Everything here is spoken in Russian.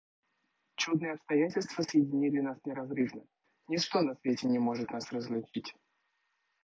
Чудные обстоятельства соединили нас неразрывно: ничто на свете не может нас разлучить».